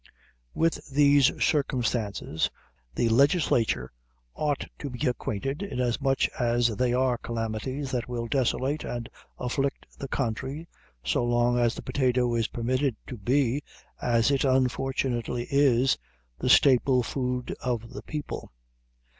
With these circumstances the legislature ought to be acquainted, inasmuch as they are calamities that will desolate and afflict the country so long as the potato is permitted to be, as it unfortunately is, the staple food of the people.